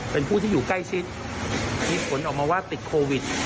เป็นผู้ที่อยู่ใกล้ชิดมีผลออกมาว่าติดโควิด